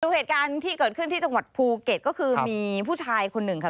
เหตุการณ์ที่เกิดขึ้นที่จังหวัดภูเก็ตก็คือมีผู้ชายคนหนึ่งค่ะ